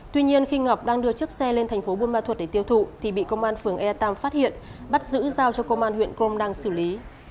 tuy nhiên khi ngọc đang đưa chiếc xe lên thành phố buôn ma thuật để tiêu thụ thì bị công an phường e tam phát hiện bắt giữ giao cho công an huyện crom đang xử lý